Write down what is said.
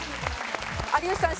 有吉さん